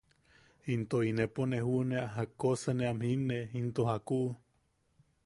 ¡Into inepo ne juʼunea jakkosa ne am jinne into jakuʼu!